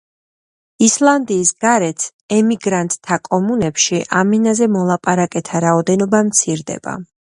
ისლანდიის გარეთ ემიგრანტთა კომუნებში ამ ენაზე მოლაპარაკეთა რაოდენობა მცირდება.